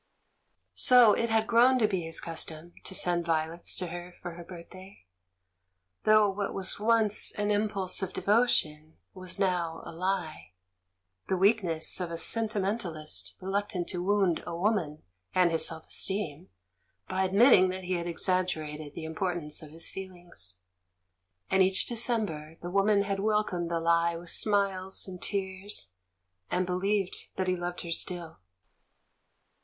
So it had grown to be his custom to send vio lets to her for her birthday, though what was once an impulse of devotion was now a lie — the weakness of a sentimentalist reluctant to wound a woman, and his self esteem, by admitting that he had exaggerated the importance of his feel ings. And each December the woman had wel comed the lie with smiles and tears and believed that he loved her still.